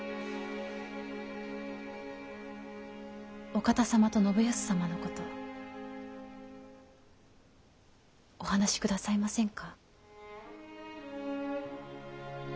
お方様と信康様のことお話しくださいませんか？